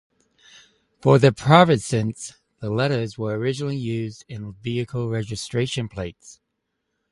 For the provinces, the letters were originally used in vehicle registration plates.